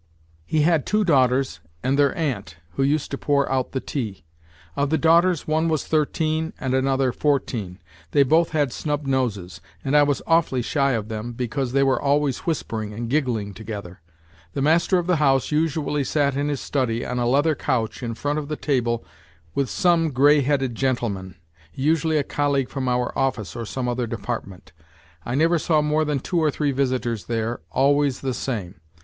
He had two daughters and their aunt, who used to pour out the tea. Of the daughters one was thirteen and another fourteen, they both had snub noses, and I was awfully shy of them because they were always whispering and giggling together. The master of the house usually sat in his study on a leather couch in front of the table with some grey headed gentleman, usually a colleague from our office or some other department. I never saw more than two or three visitors there, always the same.